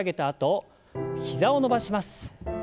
あと膝を伸ばします。